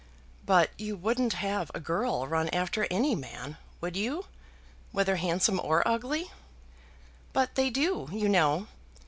"But you wouldn't have a girl run after any man, would you; whether handsome or ugly?" "But they do, you know.